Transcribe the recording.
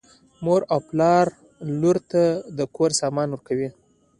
مور او پلار لور ته د کور سامان ورکوي.